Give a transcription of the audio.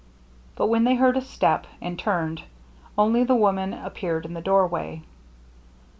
But when they heard a step and turned, only the woman appeared in the doorway.